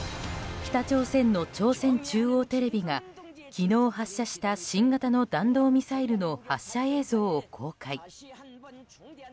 北朝鮮の朝鮮中央テレビが昨日発射した新型の弾道ミサイルの発射映像を公開。